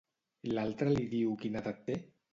L'altre li diu quina edat té?